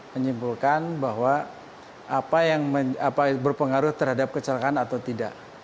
menyimpulkan bahwa apa yang berpengaruh terhadap kecelakaan atau tidak